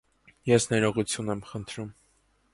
Ես ներողություն եմ խնդրում։